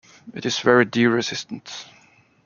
It is very deer-resistant.